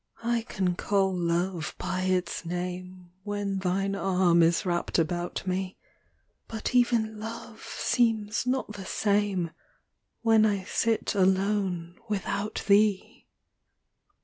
I can call love by its name When thine arm is wrapt about me ; But even love seems not the same,, When I sit alone, without thee.